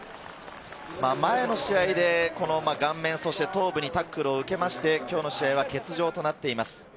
前の試合で顔面、そして頭部にタックルを受けて、今日の試合は欠場となっています。